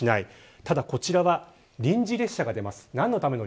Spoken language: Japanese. ただ、こちらは臨時列車が出ます。